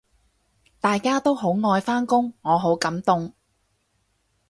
大家都好愛返工，我好感動